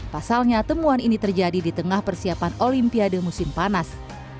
pasalnya temuan ini terjadi di tengah persiapan olimpiade musim panas